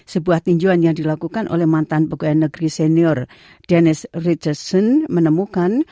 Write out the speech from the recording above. sebuah tinjauan yang dilakukan oleh mantan pegawai negeri senior dennis ritherson menemukan